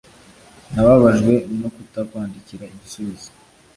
Nababajwe no kutakwandikira igisubizo.